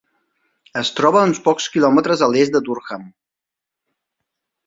Es troba a uns pocs quilòmetres a l'est de Durham.